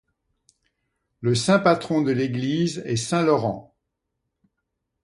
Le saint patron de l'église est saint Laurent.